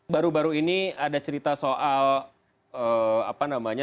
baru baru ini ada cerita soal apa namanya